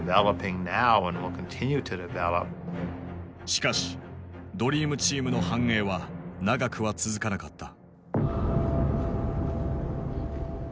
しかしドリームチームの繁栄は長くは続かなかった。